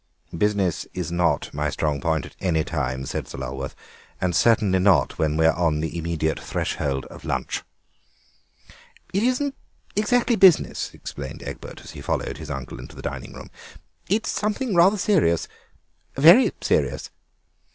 "Business is not my strong point at any time," said Sir Lulworth, "and certainly not when we're on the immediate threshold of lunch." "It isn't exactly business," explained Egbert, as he followed his uncle into the dining room. "It's something rather serious. Very serious."